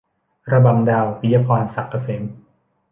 ระบำดาว - ปิยะพร ศักดิ์เกษม